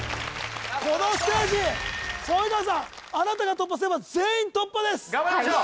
このステージ染川さんあなたが突破すれば頑張りましょう！